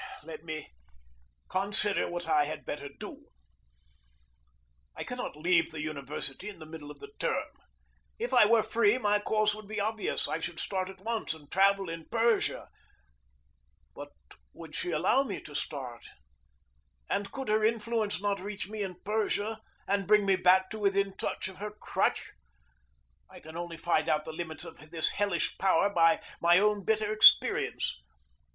Let me consider what I had better do. I cannot leave the university in the middle of the term. If I were free, my course would be obvious. I should start at once and travel in Persia. But would she allow me to start? And could her influence not reach me in Persia, and bring me back to within touch of her crutch? I can only find out the limits of this hellish power by my own bitter experience.